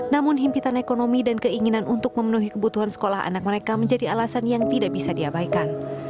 namun himpitan ekonomi dan keinginan untuk memenuhi kebutuhan sekolah anak mereka menjadi alasan yang tidak bisa diabaikan